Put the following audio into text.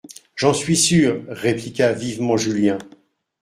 J'en suis sûr, répliqua vivement Julien.